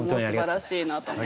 すばらしいなと思って。